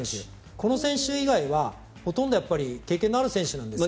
この選手以外はほとんど経験のある選手なんですね。